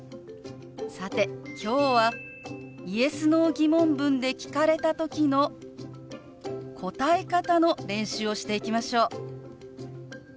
さて今日はＹｅｓ／Ｎｏー疑問文で聞かれた時の答え方の練習をしていきましょう。